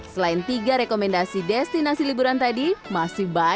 selain tiga rekomendasi destinasi liburan tadi masih banyak